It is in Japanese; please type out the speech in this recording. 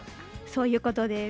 そういうことです。